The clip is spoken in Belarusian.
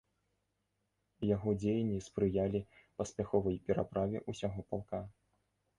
Яго дзеянні спрыялі паспяховай пераправе ўсяго палка.